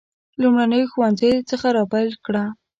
لومړنیو ښوونځیو څخه را پیل کړه.